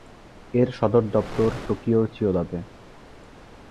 এর সদর দপ্তর টোকিওর চিয়োদাতে।